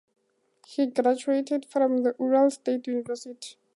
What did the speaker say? He graduated from the Ural State University.